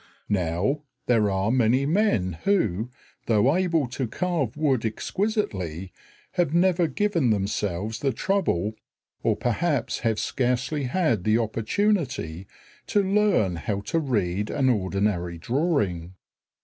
Now, there are many men who, though able to carve wood exquisitely, have never given themselves the trouble, or perhaps have scarcely had the opportunity, to learn how to read an ordinary drawing.